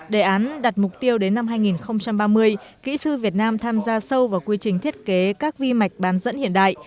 đề án đặt mục tiêu đến năm hai nghìn ba mươi kỹ sư việt nam tham gia sâu vào quy trình thiết kế các vi mạch bán dẫn hiện đại